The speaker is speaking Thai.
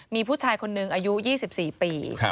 มีผู้ชายคนหนึ่งอายุ๒๔ปี